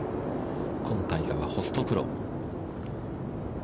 今大会はホストプロ。